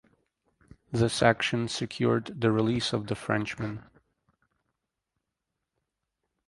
This action secured the release of the Frenchmen.